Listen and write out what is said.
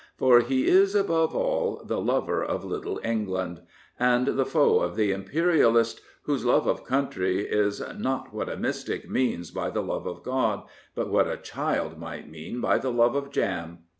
For he is, above all, the lover of Little England, and the foe of the Imperialist, whose love of country is " not what a mystic means by the love of God, but what a child might mean by the love of jam."